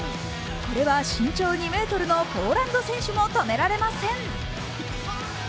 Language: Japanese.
これは身長２ｍのポーランド選手も止められません。